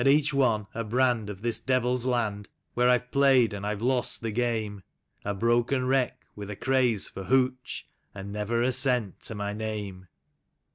Each one a brand of this devil's land, where I've played and I've lost the game, A broken 'WTeck with a craze for ' hooch/ and never a cent to my name.